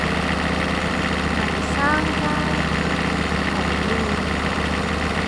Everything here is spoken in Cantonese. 嚟生家陣唔紅嚕